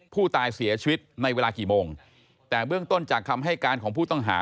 ผู้ตายเสียชีวิตในเวลากี่โมงแต่เบื้องต้นจากคำให้การของผู้ต้องหา